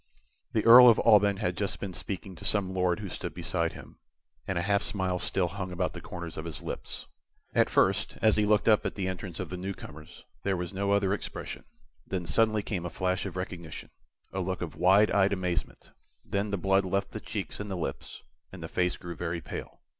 The Earl of Alban had just been speaking to some Lord who stood beside him, and a half smile still hung about the corners of his lips. At first, as he looked up at the entrance of the newcomers, there was no other expression; then suddenly came a flash of recognition, a look of wide eyed amazement; then the blood left the cheeks and the lips, and the face grew very pale.